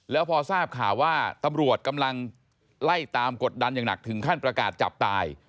แล้วพอทราบข่าวว่าตำรวจกำลังไล่ตามกดดันอย่างหนักถึงขั้นประกาศจับตาย